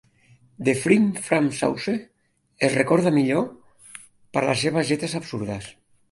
"The Frim Fram Sauce" es recorda millor per les seves lletres absurdes.